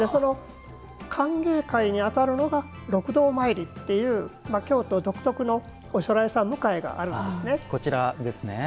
歓迎会にあたるのが六道まいりっていう京都独特のおしょらいさん迎えがあるんです。